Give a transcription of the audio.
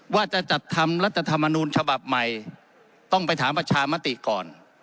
ว่าจะจัดทำรัฐธรรมนูญฉบับใหม่ต้องไปถามประชามติก่อน